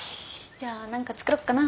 じゃあ何か作ろっかな。